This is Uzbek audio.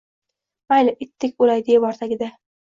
Mayli, itdek o’lay devor tagida